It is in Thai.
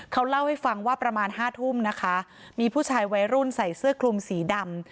เขาเล่าให้ฟังว่าประมาณห้าทุ่มนะคะมีผู้ชายวัยรุ่นใส่เสื้อคลุมสีดำ